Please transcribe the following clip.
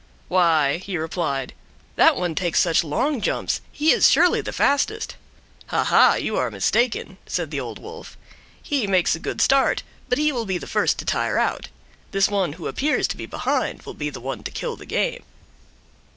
"Why," he replied, "that one that takes such long jumps, he is surely the fastest." "Ha! ha! you are mistaken," said the Old Wolf. "He makes a good start, but he will be the first to tire out; this one who appears to be behind will be the one to kill the game."